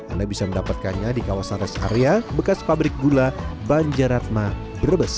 anda bisa mendapatkannya di kawasan res harbor nya bekas pabrik gula banjarratma be rebus